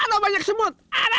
ada banyak semut ada